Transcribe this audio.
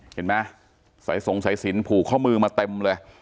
เห็นไหมสายสงสัยสินผูกข้อมือมาเต็มเลย